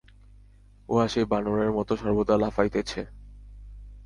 উহা সেই বানরের মত সর্বদা লাফাইতেছে।